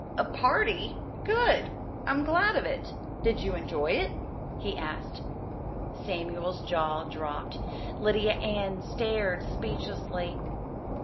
"A party? Good! I'm glad of it. Did you enjoy it?" he asked. Samuel's jaw dropped. Lydia Ann stared speechlessly.